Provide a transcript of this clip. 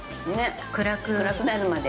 ◆暗くなるまで。